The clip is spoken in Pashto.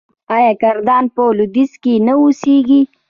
آیا کردان په لویدیځ کې نه اوسیږي؟